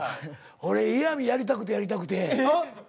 俺イヤミやりたくてやりたくて。